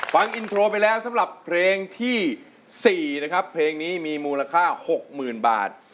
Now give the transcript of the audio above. ฟังอินโทรไปแล้วสำหรับเพลงที่๔นะครับเพลงนี้มีมูลค่า๖๐๐๐บาท